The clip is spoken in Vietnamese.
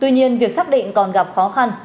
nhưng quy định còn gặp khó khăn